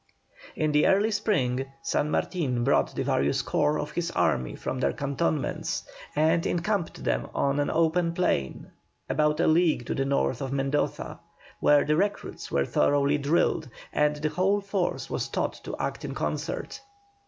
In the early spring, San Martin brought the various corps of his army from their cantonments, and encamped them on an open plain about a league to the north of Mendoza, where the recruits were thoroughly drilled, and the whole force was taught to act in concert.